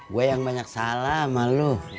gue yang banyak salah sama lu